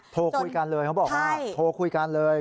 โทรคุยกันเลยเขาบอกว่าโทรคุยกันเลย